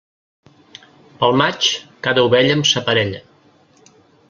Pel maig, cada ovella amb sa parella.